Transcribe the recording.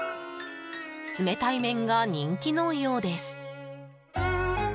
冷たい麺が人気のようです。